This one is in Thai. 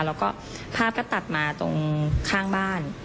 แล้วก็ภาพก็ตัดมาตรงข้างบ้าน